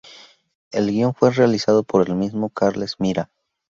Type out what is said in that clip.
El guion fue realizado por el mismo Carles Mira.